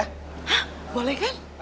hah boleh kan